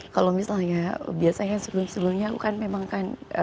kalau misalnya biasanya sebelum sebelumnya aku kan memang kan